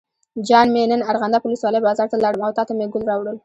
جان مې نن ارغنداب ولسوالۍ بازار ته لاړم او تاته مې ګل راوړل.